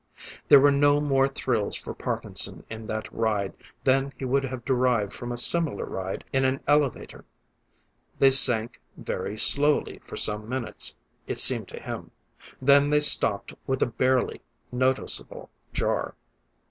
There were no more thrills for Parkinson in that ride than he would have derived from a similar ride in an elevator. They sank very slowly for some minutes, it seemed to him; then they stopped with a barely noticeable jar.